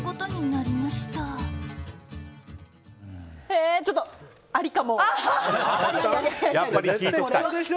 えー、ちょっと、ありかも。